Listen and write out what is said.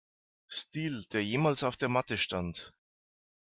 Stil, der jemals auf der Matte stand.